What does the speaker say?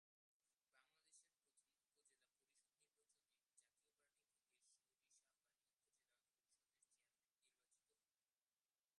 বাংলাদেশের প্রথম উপজেলা পরিষদ নির্বাচনে জাতীয় পার্টি থেকে সরিষাবাড়ী উপজেলা পরিষদের চেয়ারম্যান নির্বাচিত হন।